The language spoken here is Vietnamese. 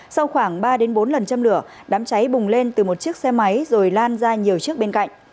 sau khoảng ba bốn lần châm lửa đám cháy bùng lên từ một chiếc xe máy rồi lan ra nhiều chiếc bên cạnh